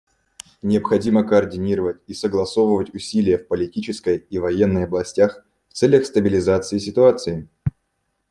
Необходимо координировать и согласовывать усилия в политической и военной областях в целях стабилизации ситуации.